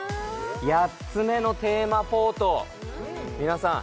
８つ目のテーマポート皆さん